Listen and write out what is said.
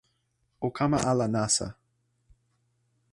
o kama ala nasa.